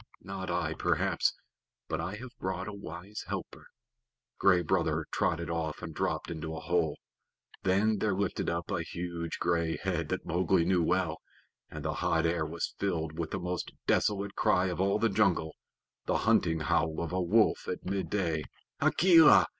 "Not I, perhaps but I have brought a wise helper." Gray Brother trotted off and dropped into a hole. Then there lifted up a huge gray head that Mowgli knew well, and the hot air was filled with the most desolate cry of all the jungle the hunting howl of a wolf at midday. "Akela!